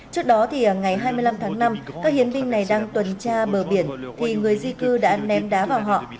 trước đó thì ngày hai mươi năm tháng năm các hiến binh này đang tuần tra bờ biển thì người di cư đã ném đá vào họ